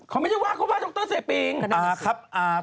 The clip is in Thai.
เขาไม่ได้ว่าเขาว่าคุณโรกตเตอร์สเตปิง